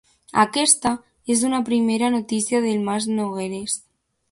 Aquesta és una primera notícia del Mas Nogueres.